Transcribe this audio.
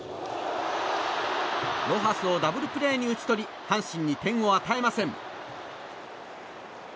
ロハスをダブルプレーに打ち取り阪神に点を与えません。